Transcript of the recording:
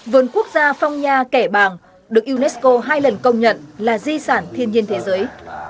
vườn quốc gia phong nha kẻ bàng được unesco hai lần công nhận là di sản thiên nhiên thế giới